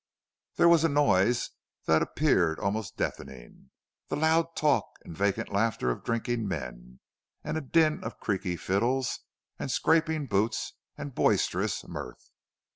There was a noise that appeared almost deafening the loud talk and vacant laughter of drinking men, and a din of creaky fiddles and scraping boots and boisterous mirth.